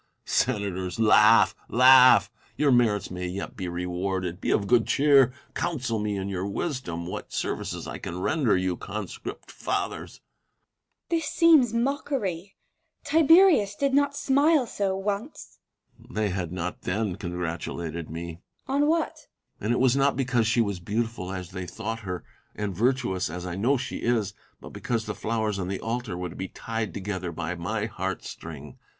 Sena tors ! laugh, laugh ! Your merits may be yet rewarded — be of good cheer ! Counsel me, in your wisdom, what services I can render you, conscript fathers ! Vipsania. This seems mockery : Tiberius did not smile so, once. Tiberius. They had not then congratulated me. Vipsania. On what *? Tiberius. And it was not because she was beautiful, as TIBERIUS AND VIPSANIA. 15 they thought her, and virtuous, as I know she is ; but because the flowers on the altar were to be tied together by my heart string.